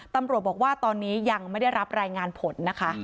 ตำรวจบอกว่าตอนนี้ยังไม่ได้รับรายงานผลนะคะ